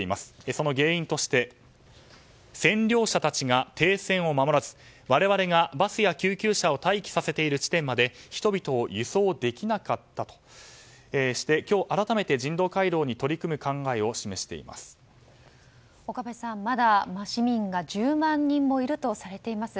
その原因として占領者たちが停戦を守らず我々がバスや救急車を待機させている地点まで人々を輸送できなかったとして今日、改めて人道回廊に取り組む考えを岡部さん、まだ市民が１０万人もいるとされています。